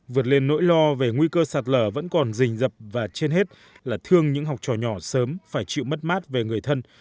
vượt lên nỗi lo về nguy cơ sạt lở vẫn còn rình dập và trên hết là thương những học trò nhỏ sớm phải chịu mất mát về người thân